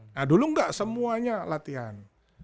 nah dulu enggak semuanya latihan